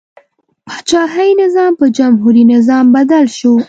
پاچاهي نظام په جمهوري نظام بدل شو.